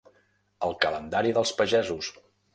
El calendari dels pagesos.